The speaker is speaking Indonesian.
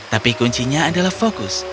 tapi kuncinya adalah fjord